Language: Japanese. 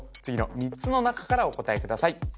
次の３つの中からお答えください